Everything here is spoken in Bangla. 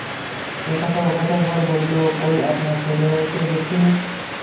একথা ওকথার পর বলিল, কই আপনার ছেলেকে দেখচি নে?